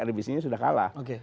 rbc nya sudah kalah